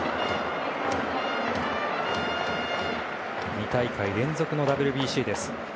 ２大会連続のＷＢＣです。